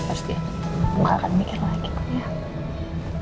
gak akan mikir lagi